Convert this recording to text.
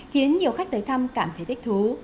khiến nhiều khách tới thăm cảm thấy thích thú